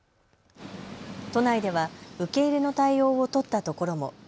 都内では受け入れの対応を取ったところも。